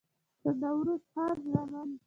د نوروز خان زامن